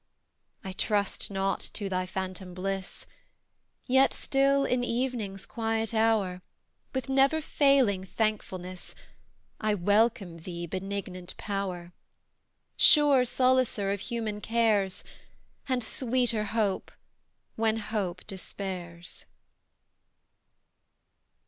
I trust not to thy phantom bliss, Yet, still, in evening's quiet hour, With never failing thankfulness, I welcome thee, Benignant Power; Sure solacer of human cares, And sweeter hope, when hope despairs!